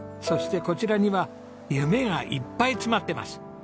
そしてこちらには夢がいっぱい詰まってます。